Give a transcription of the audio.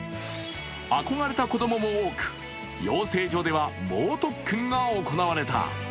憧れた子供も多く養成所では猛特訓が行われた。